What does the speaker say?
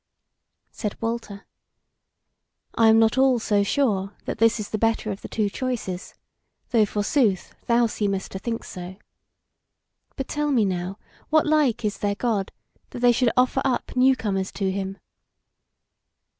Said Walter: "I am not all so sure that this is the better of the two choices, though, forsooth, thou seemest to think so. But tell me now, what like is their God, that they should offer up new comers to him?"